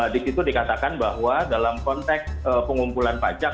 di situ dikatakan bahwa dalam konteks pengumpulan pajak